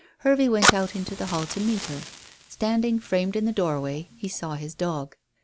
Hervey went out into the hall to meet her. Standing framed in the doorway he saw his dog.